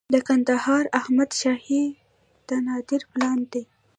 د کندهار احمد شاهي د نادر پلان دی